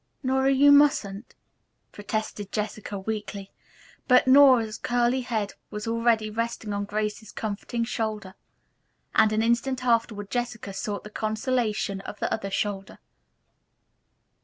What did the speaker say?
"Nora, you mustn't," protested Jessica weakly, but Nora's curly head was already resting on Grace's comforting shoulder, and an instant afterward Jessica sought the consolation of the other shoulder.